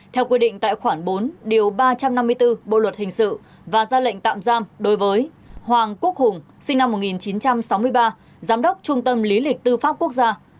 theo quy định tại khoản bốn điều ba trăm năm mươi bốn bộ luật hình sự và ra lệnh tạm giam đối với hoàng quốc hùng sinh năm một nghìn chín trăm sáu mươi ba giám đốc trung tâm lý lịch tư pháp quốc gia